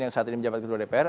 yang saat ini menjabat ketua dpr